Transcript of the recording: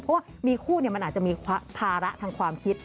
เพราะว่ามีคู่มันอาจจะมีภาระทางความคิด